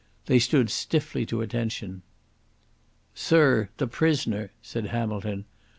They stood stiffly to attention. "Sirr, the prisoner," said Hamilton.